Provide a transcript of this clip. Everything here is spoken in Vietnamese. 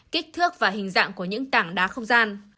kích thước và hình dạng của những tảng đá không gian